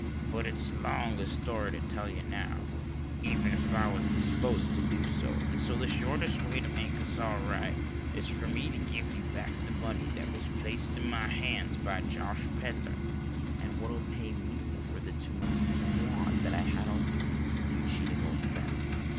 But it's too long a story to tell you now—even if I was disposed to do so; and so the shortest way to make us all right, is for me to give you back the money that was placed in my hands by Josh Pedler." "And what'll pay me for the two months of quod that I had all through you, you cheating old fence?"